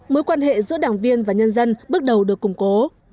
mối quan hệ giữa đảng viên và nhân dân bước đầu được củng cố